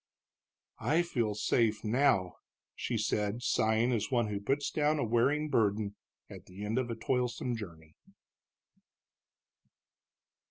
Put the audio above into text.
"I feel safe now," she said, sighing as one who puts down a wearing burden at the end of a toilsome journey.